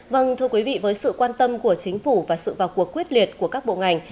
vâng thưa quý vị với sự quan tâm của chính phủ và sự vào cuộc quyết liệt của các bộ ngành